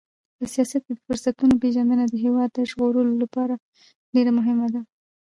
په سیاست کې د فرصتونو پیژندنه د هېواد د ژغورلو لپاره ډېره مهمه ده.